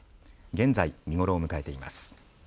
現在、見頃を迎えています。